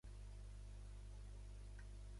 És argentí de naixement, però es va criar en Mèxic.